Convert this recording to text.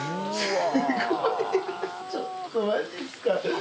すごいちょっとマジっすか。